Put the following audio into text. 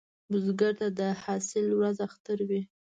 بزګر ته د حاصل ورځ اختر وي